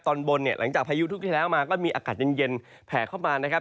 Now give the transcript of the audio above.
ตอนบนเนี่ยหลังจากพายุทุกที่แล้วมาก็มีอากาศเย็นแผ่เข้ามานะครับ